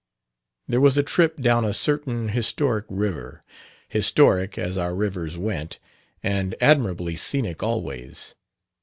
There was a trip down a certain historic river, historic, as our rivers went, and admirably scenic always.